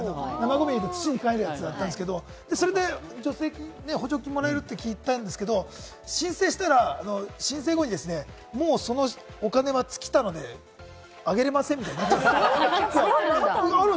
土にかえるやつ買ったんですけど、それで助成金・補助金もらえるって聞いたんですけど、申請したら、申請後にもう、そのお金は尽きたので上げれませんみたいなっちゃって。